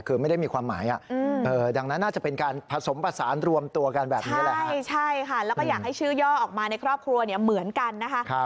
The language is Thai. คือไม่ได้มีความหมายดังนั้นน่าจะเป็นการผสมผสานรวมตัวกันแบบนี้แหละใช่ค่ะแล้วก็อยากให้ชื่อย่อออกมาในครอบครัวเนี่ยเหมือนกันนะคะ